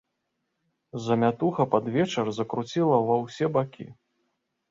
Замятуха пад вечар закруціла ўва ўсе бакі.